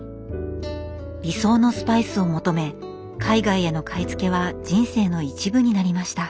理想のスパイスを求め海外への買い付けは人生の一部になりました。